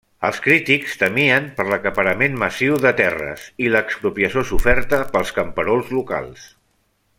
Els crítics temien per l'acaparament massiu de terres i l'expropiació soferta pels camperols locals.